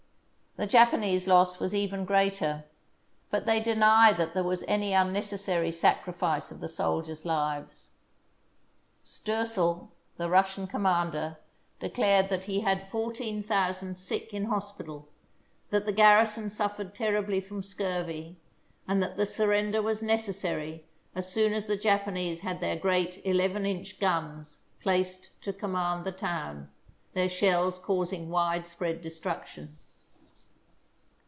The Japanese loss was even greater, but they deny that there was any unneces sary sacrifice of the soldiers' lives. Stoessel, the Russian commander, declared that he had fourteen thousand sick in hospital, that the garrison suffered terribly from scurvy, and that the surrender was necessary as soon as the Japanese had their great eleven inch guns placed to command the town, their shells causing widespread destruction.